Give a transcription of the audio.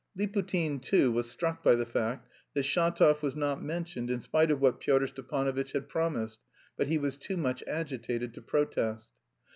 Liputin, too, was struck by the fact that Shatov was not mentioned in spite of what Pyotr Stepanovitch had promised, but he was too much agitated to protest.